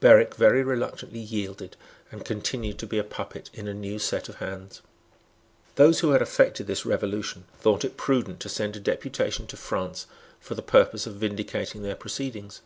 Berwick very reluctantly yielded, and continued to be a puppet in a new set of hands. Those who had effected this revolution thought it prudent to send a deputation to France for the purpose of vindicating their proceedings.